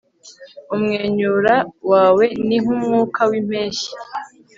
umwenyura wawe ni nkumwuka wimpeshyi